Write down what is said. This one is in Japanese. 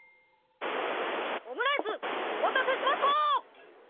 オムライスお待たせしました！